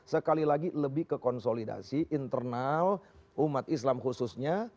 sekali lagi lebih ke konsolidasi internal umat islam khususnya